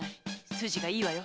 筋がいいわよ。